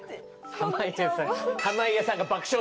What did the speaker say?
濱家さん。